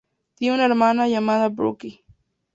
Tiene una hermana llamada Brooke.